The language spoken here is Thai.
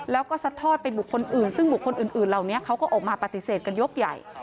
แล้วก็ซัดทอดไปบุคคลอื่นซึ่งบุคคลอื่นเหล่านี้เขาก็ออกมาปฏิเสธกันยกใหญ่